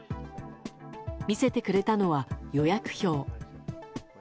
見せてくれたのは予約表。